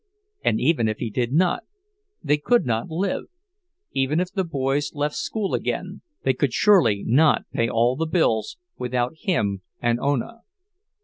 And even if he did not, they could not live—even if the boys left school again, they could surely not pay all the bills without him and Ona.